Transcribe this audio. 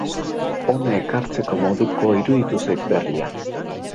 Hona ekartzeko modukoa iruditu zait berria.